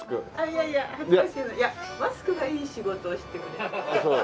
いやいや恥ずかしいマスクがいい仕事をしてくれる。